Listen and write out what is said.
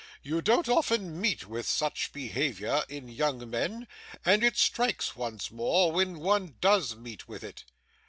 You don't often meet with such behaviour in young men, and it strikes one more when one does meet with it.